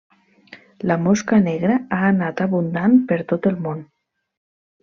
La mosca negra ha anat abundant per tot el món.